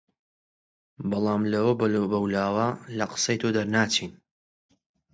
بەڵام لەوە بەولاوە لە قسەی تۆ دەرناچین